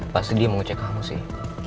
pasti dia mau cek kamu sih